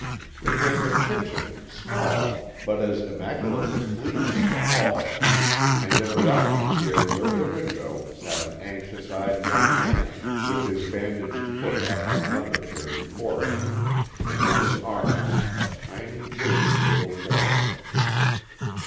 It was a kitchen, small, but as immaculately clean as the hall, and in a rocking chair near the window sat an anxious eyed young man with his bandaged foot up on another chair before him, and in his arms a tiny, rigid little form.